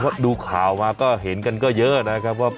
เพราะดูข่าวมาก็เห็นกันก็เยอะนะครับว่า